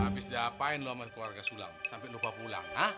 habis diapain lu sama keluarga sulang sampai lupa pulang